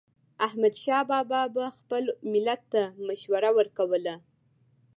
احمدشاه بابا به خپل ملت ته مشوره ورکوله.